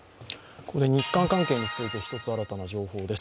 ここで日韓関係について新たな情報です。